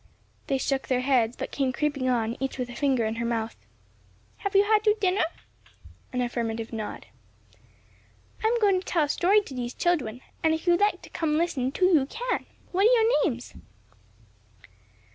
They shook their heads but came creeping on, each with a finger in her mouth. "Have you had your dinner?" An affirmative nod. "I'm going to tell a story to these children, and if you like to come and listen too, you can. What are your names?"